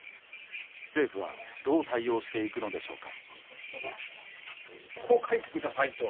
政府はどう対応していくのでしょうか。